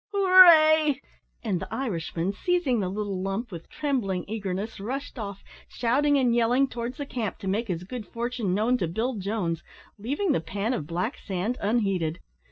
Hooray!" and the Irishman, seizing the little lump with trembling eagerness, rushed off, shouting and yelling, towards the camp to make his good fortune known to Bill Jones, leaving the pan of black sand unheeded.